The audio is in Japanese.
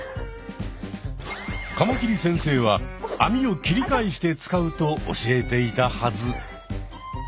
カマキリ先生はあみを切り返して使うと教えていたはず。